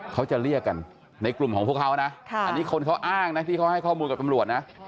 เขาจะเรียกกันในกลุ่มของพวกเขานะอันนี้คนเขาอ้างนะที่เขาให้ข้อมูลกับตำรวจนะ